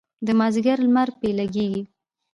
د مازدیګر لمر پرې لګیږي.